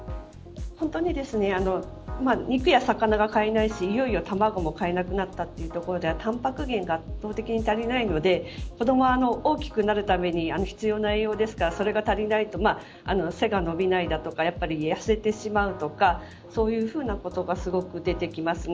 本当に肉や魚が買えないしいよいよ卵も買えなくなったというところではたんぱく源が圧倒的に足りないので子どもが大きくなるために必要な栄養ですからそれが足りないと背が伸びないだとかやせてしまうとかそういうふうなことが出てきますね。